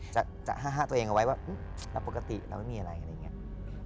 จะ๕๕ตัวเองเอาไว้ว่าเราปกติเราไม่มีอะไรอะไรอย่างนี้